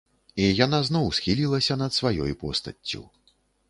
І яна зноў схілілася над сваёй постаццю.